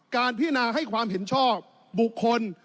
การพิจารณาให้ความเห็นชอบบุคคล